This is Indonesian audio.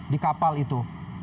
di kapal itu